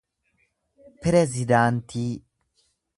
pirezidaantii